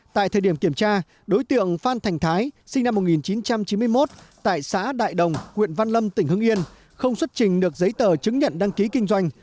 tại thời điểm kiểm tra đối tượng phan thành thái sinh năm một nghìn chín trăm chín mươi một tại xã đại đồng huyện văn lâm tỉnh hưng yên không xuất trình được giấy tờ chứng nhận đăng ký kinh doanh